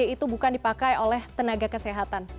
itu bukan dipakai oleh tenaga kesehatan